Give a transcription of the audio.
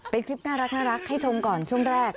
เป็นคลิปน่ารักให้ชมก่อนช่วงแรก